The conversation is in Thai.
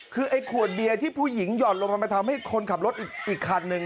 คือไอ้ขวดเบียร์ที่ผู้หญิงหย่อนลงมามันทำให้คนขับรถอีกคันหนึ่ง